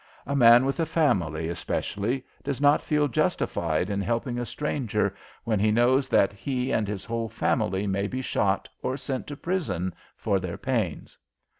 A man with a family, especially, does not feel justified in helping a stranger when he knows that he and his whole family may be shot or sent to prison for their pains.